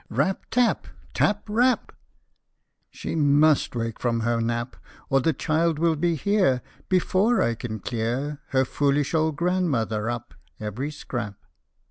Rap, tap ! Tap, rap !" She must wake from her nap, Or the child will be here Before I can clear Her foolish old grandmother up, every scrap."